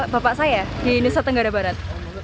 bapak saya di nusa tenggara barat